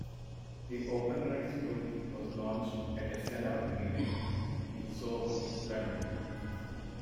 The Open Rights Group was launched at a "sell-out" meeting in Soho, London.